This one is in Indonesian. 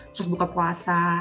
terus buka puasa